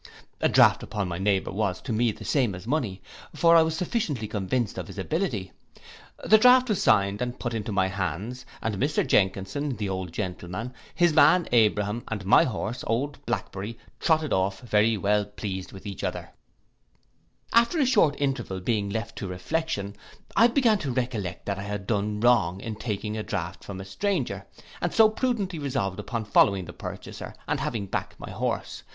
A draught upon my neighbour was to me the same as money; for I was sufficiently convinced of his ability: the draught was signed and put into my hands, and Mr Jenkinson, the old gentleman, his man Abraham, and my horse, old Blackberry, trotted off very well pleased with each other. After a short interval being left to reflection, I began to recollect that I had done wrong in taking a draught from a stranger, and so prudently resolved upon following the purchaser, and having back my horse.